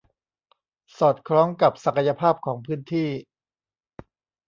สอดคล้องกับศักยภาพของพื้นที่